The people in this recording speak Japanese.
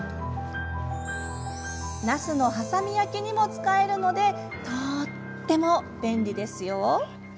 なすの挟み焼きにも使えるのでとっても便利ですよ。